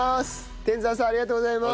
天山さんありがとうございます！